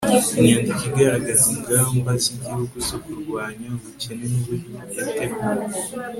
inyandiko igaragaza ingamba z'igihugu zo kurwanya ubukene n'uburyo yateguwe